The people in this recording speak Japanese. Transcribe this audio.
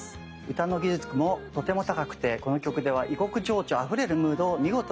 歌の技術もとても高くてこの曲では異国情緒あふれるムードを見事に表現していました。